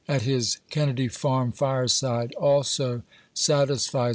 at his Kennedy Farm fireside, alpo, satisfies.